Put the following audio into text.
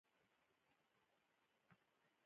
د خدمت کلتور د بریا بنسټ دی.